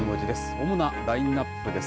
主なラインナップです。